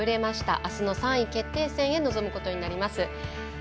あすの３位決定戦へ臨むことになります。